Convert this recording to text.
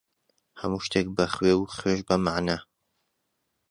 هەموو شتێک بە خوێ، و خوێش بە مەعنا.